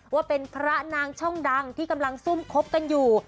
ว่าเป็นพระนางช่องดังที่กำลังซุ่มคบกันอยู่